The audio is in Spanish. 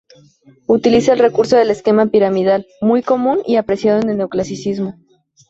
Utiliza el recurso del esquema piramidal, muy común y apreciado en el Neoclasicismo.